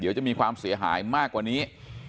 จะมีความเสียหายมากกว่านี้